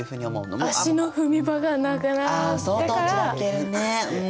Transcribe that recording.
足の踏み場がなくなってから。